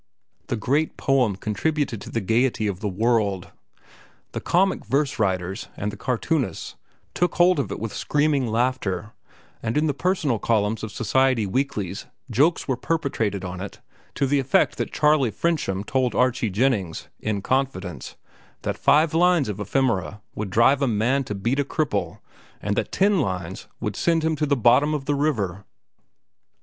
The great poem contributed to the gayety of the world. The comic verse writers and the cartoonists took hold of it with screaming laughter, and in the personal columns of society weeklies jokes were perpetrated on it to the effect that Charley Frensham told Archie Jennings, in confidence, that five lines of "Ephemera" would drive a man to beat a cripple, and that ten lines would send him to the bottom of the river.